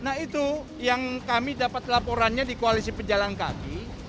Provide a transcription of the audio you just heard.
nah itu yang kami dapat laporannya di koalisi pejalan kaki